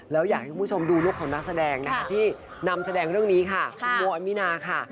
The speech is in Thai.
แล้วอยากให้คุณผู้ชมดูลูกของนักแสดงนะคะที่นำแสดงเรื่องนี้ค่ะคุณโมอามินาค่ะ